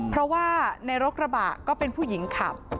เพราะว่าในรถกระบะก็เป็นผู้หญิงขับ